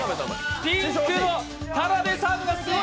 ピンクの田辺さんがすごい！